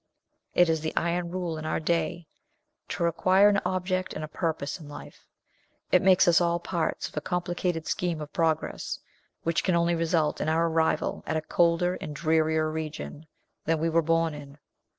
It is the iron rule in our day to require an object and a purpose in life. It makes us all parts of a complicated scheme of progress, which can only result in our arrival at a colder and drearier region than we were born in.